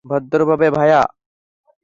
ভদ্রভাবে, ভায়া।